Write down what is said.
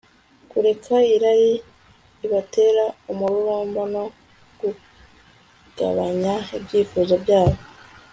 kureka irari ribatera umururumba no kugabanya ibyifuzo byabo